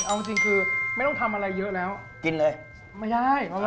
เอาจริงคือไม่ต้องทำอะไรเยอะแล้วจะจัดแจนก่อนกินเลย